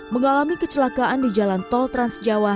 mengalami kecelakaan di jalan tol trans jawa